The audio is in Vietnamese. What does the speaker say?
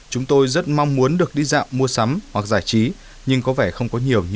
chúng tôi rất mong muốn được đi dạo mua sắm hoặc giải trí nhưng có vẻ không có nhiều như vậy